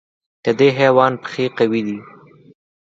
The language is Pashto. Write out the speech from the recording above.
د دې حیوان پښې قوي دي.